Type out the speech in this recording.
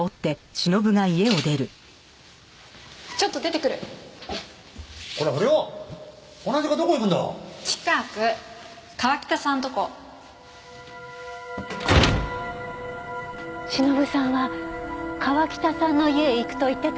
忍さんは川喜多さんの家へ行くと言ってたんですか？